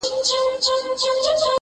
o يو وار نوک، بيا سوک!